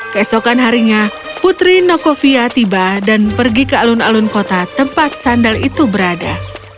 keesokan harinya putri nokovia tiba dan pergi ke alun alun kota tempat sandal itu berada